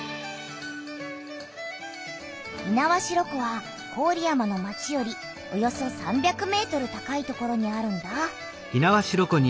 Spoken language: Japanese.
猪苗代湖は郡山の町よりおよそ３００ｍ高い所にあるんだ。